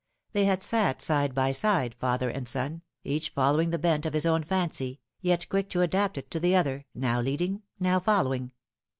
They had sat side by side, father and son, each following the bent of his own fancy, yet quick to adapt it to the other, now leading, now following.